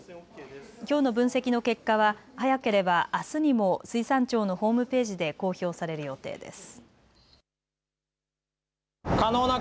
きょうの分析の結果は早ければあすにも水産庁のホームページで公表される予定です。